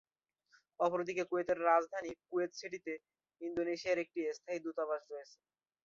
অপরদিকে, কুয়েতের রাজধানী কুয়েত সিটিতে ইন্দোনেশিয়ার একটি স্থায়ী দূতাবাস রয়েছে।